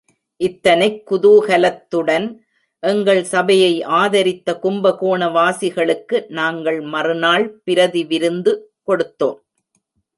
இத்தனைக் குதூஹலத்துடன் எங்கள் சபையை ஆதரித்த கும்பகோணவாசிகளுக்கு, நாங்கள் மறுநாள் பிரதி விருந்து கொடுத்தோம்.